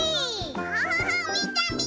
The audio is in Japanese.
キャハハみてみて！